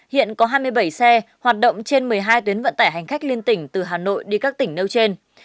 hiện có hai mươi bảy xe hoạt động trên một mươi hai tuyến vận tải hành khách liên tỉnh từ hà nội đi các tỉnh nêu trên